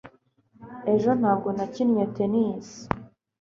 ejo ntabwo nakinnye tennis